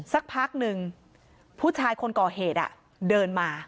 สักพักหนึ่งผู้ชายคนก่อเหตุเดินมา